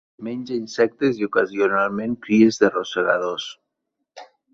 Menja insectes i, ocasionalment, cries de rosegadors.